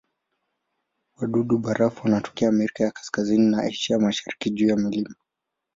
Wadudu-barafu wanatokea Amerika ya Kaskazini na Asia ya Mashariki juu ya milima.